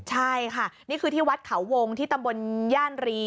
ใช่ค่ะนี่คือที่วัดเขาวงที่ตำบลย่านรี